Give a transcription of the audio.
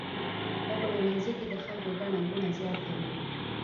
په پلورنځي کې د خلکو ګڼه ګوڼه زیاته وي.